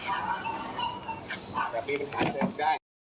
เอาบ้าง